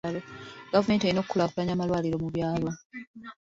Gavumenti erina okukulaakulanya amalwaliro mu byalo.